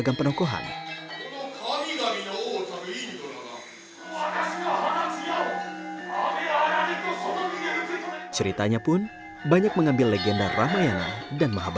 dan diperlukan banyak penonton yang dipresentasikan dalam beragam penokohan